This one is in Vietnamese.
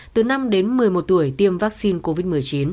từ năm đến một mươi một tuổi tiêm vaccine covid một mươi chín